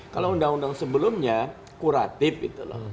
kalau undang undang sebelumnya kuratif gitu loh